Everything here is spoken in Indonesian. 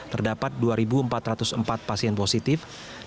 terdapat dua empat ratus empat pasien positif